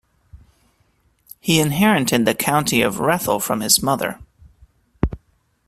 He inherited the county of Rethel from his mother.